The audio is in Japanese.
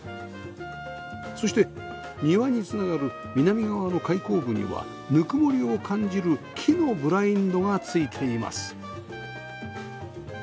そして庭に繋がる南側の開口部にはぬくもりを感じる木のブラインドがついています